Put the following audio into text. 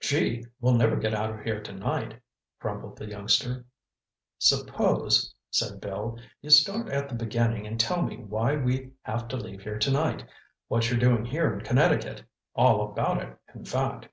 "Gee, we'll never get out of here tonight," grumbled the youngster. "Suppose," said Bill, "you start at the beginning and tell me why we have to leave here tonight. What you're doing here in Connecticut—all about it, in fact."